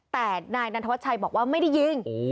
แต่นายนันทวัชชัยบอกว่าไม่ได้ยิง